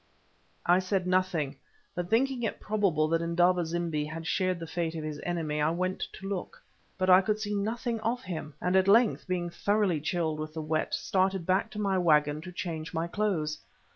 I said nothing, but thinking it probable that Indaba zimbi had shared the fate of his enemy, I went to look. But I could see nothing of him, and at length, being thoroughly chilled with the wet, started back to my waggon to change my clothes.